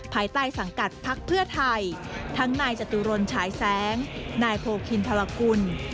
ภายใต้สังกัดพักเพื่อไทยทั้งนายจตุรนฉายแสงนายโพคินพลกุล